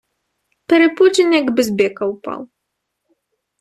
Перепуджений, якби з бика впав.